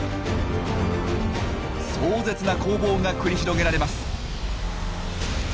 壮絶な攻防が繰り広げられます！